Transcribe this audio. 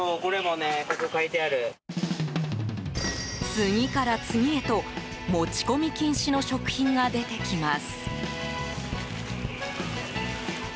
次から次へと、持ち込み禁止の食品が出てきます。